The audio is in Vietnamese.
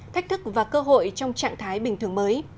thách thức và cơ hội trong trạng thái bình thường mới